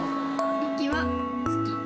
リキは好き。